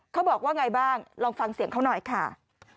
เขาบอกว่าไงบ้างลองฟังเสียงเขาหน่อยค่ะ